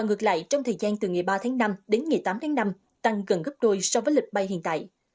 ngược lại trong thời gian từ ngày ba tháng năm đến ngày tám tháng năm tăng gần gấp đôi so với lịch bay hiện tại